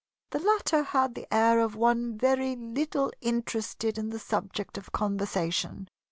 The latter had the air of one very little interested in the subject of conversation.